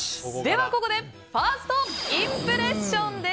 ここでファーストインプレッションです。